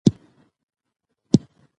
زه نن له هیچا سره خبرې نه کوم.